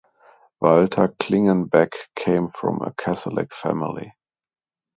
Walter Klingenbeck came from a Catholic family.